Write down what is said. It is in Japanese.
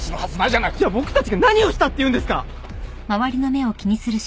じゃあ僕たちが何をしたって言うんですか！